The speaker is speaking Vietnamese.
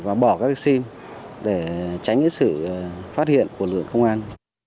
và bỏ các sim để tránh sự phát hiện của lực lượng công an